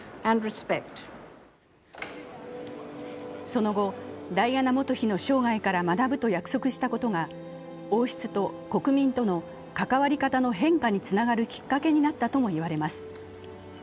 その後、ダイアナ元妃の生涯から学ぶと約束したことが王室と国民との関わり方の変化につながるきっかけになったとも言われます。